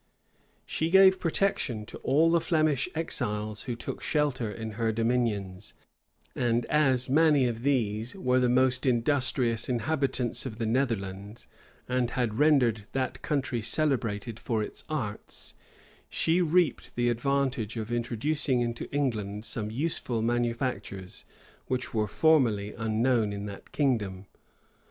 She gave protection to all the Flemish exiles who took shelter in her dominions; and as many of these were the most industrious inhabitants of the Netherlands, and had rendered that country celebrated for its arts, she reaped the advantage of introducing into England some useful manufactures, which were formerly unknown in that kingdom.